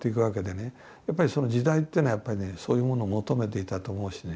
やっぱりその時代っていうのはそういうもの求めていたと思うし。